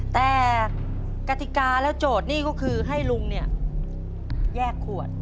แต่กติกาแล้วโจทย์นี่ก็คือให้ลุงเนี่ยแยกขวด